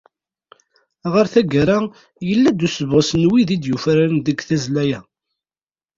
Ɣer taggara, yella-d usebɣes n wid i d-yufraren deg tazzla-a.